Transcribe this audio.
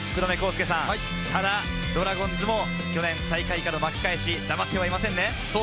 ただドラゴンズも去年、最下位からの巻き返し、黙ってはいませんね。